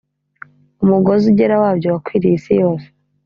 Umugozi ugera wabyo wakwiriye isi yose